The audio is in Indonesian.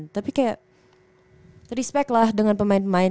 tapi kayak respect lah dengan pemain pemain